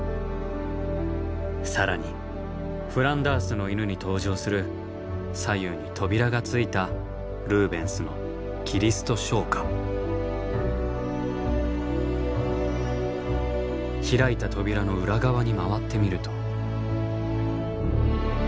更に「フランダースの犬」に登場する左右に扉がついたルーベンスの開いた扉の裏側に回ってみると。